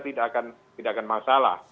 tidak akan masalah